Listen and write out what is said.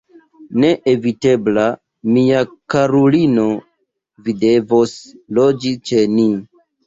Neeviteble, mia karulino, vi devos loĝi ĉe ni.